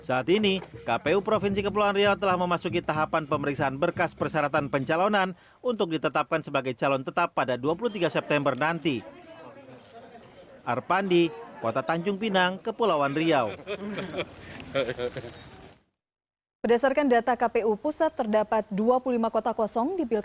ada satu provinsi yang akan melaksanakan pemilihan gubernur dan wakil gubernur kemudian lima kabupaten yang akan melaksanakan pemilihan bupati dan wakil gubati